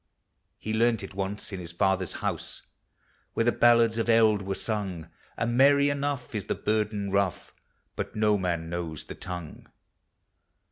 He learned it once in his father's house, Where the ballads of eld were sung; O 7 And merry enough is the burden rough, But no man knows the tongue.